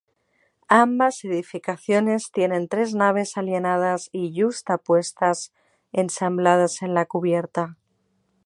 Ambas edificaciones tienen tres naves alineadas y yuxtapuestas, ensambladas en la cubierta.